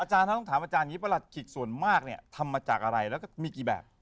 อาจารย์ถ้าต้องถามอาจารย์นี้ปรัชคิกส่วนมากทำมาจากอะไรแล้วก็มีกี่แบบ